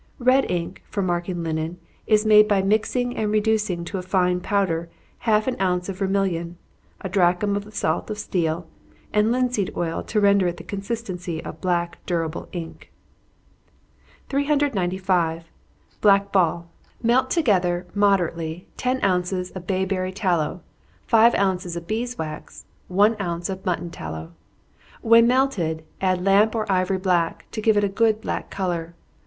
Red ink, for marking linen, is made by mixing and reducing to a fine powder half an ounce of vermilion, a drachm of the salt of steel, and linseed oil to render it of the consistency of black durable ink. 395. Black Ball. Melt together, moderately, ten ounces of Bayberry tallow, five ounces of bees' wax, one ounce of mutton tallow. When melted, add lamp or ivory black to give it a good black color.